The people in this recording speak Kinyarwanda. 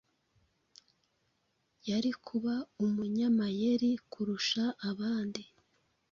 yari kuba umunyamayeri kurusha abandi